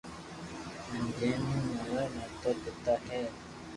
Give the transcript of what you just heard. جي مون ٻي مارا ماتا پيتا ھي